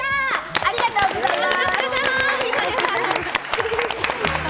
ありがとうございます！